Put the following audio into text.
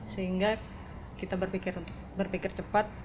sehingga kita berpikir cepat